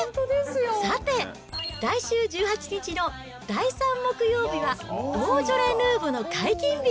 さて、来週１８日の第３木曜日は、ボジョレ・ヌーボーの解禁日。